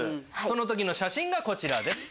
その時の写真がこちらです。